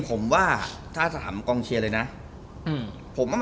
ผมมาต้องถ่ายเลือดเลย